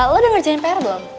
lo udah ngerjain pr belum